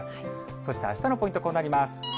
そして、あしたのポイント、こうなります。